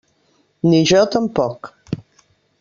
Ni jo tampoc.